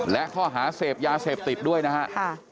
และข้อหาเสพยาเสพติดด้วยนะฮะ